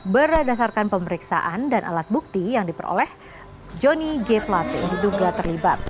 berdasarkan pemeriksaan dan alat bukti yang diperoleh joni g plate diduga terlibat